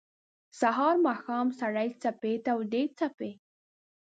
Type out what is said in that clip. سهار ، ماښام سړې څپې تودي څپې